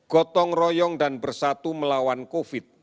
gotong royong dan bersatu melawan covid sembilan belas